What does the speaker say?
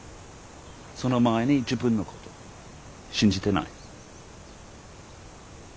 その前に自分のこと信じてない。